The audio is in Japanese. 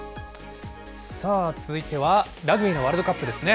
さあ続いては、ラグビーのワールドカップですね。